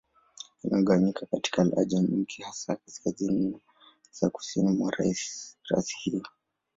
Imegawanyika katika lahaja nyingi, hasa za Kaskazini na za Kusini mwa rasi hiyo.